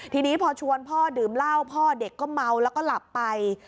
ทีนี้พอชวนพ่อดื่มเหล้าพ่อเด็กก็เมาแล้วก็หลับไป